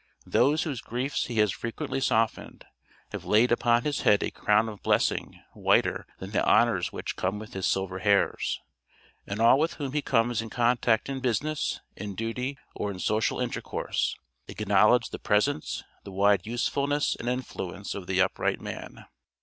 Those whose griefs he has frequently softened, have laid upon his head a crown of blessing whiter than the honors which come with his silver hairs, and all with whom he comes in contact in business, in duty, or in social intercourse, acknowledge the presence, the wide usefulness and influence of the upright man.